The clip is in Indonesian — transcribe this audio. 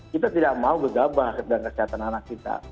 kita tidak mau gegabah dengan kesehatan anak kita